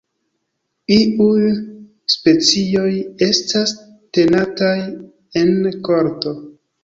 Iuj specioj estas tenataj en korto.